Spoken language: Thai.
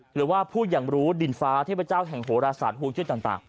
หรือว่าผู้อย่างรู้ดินฟ้าเทพเจ้าแห่งโหรศาสตร์ห่วงจุ้ยต่าง